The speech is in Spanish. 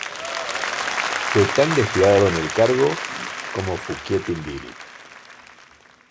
Fue tan despiadado en el cargo como Fouquier-Tinville.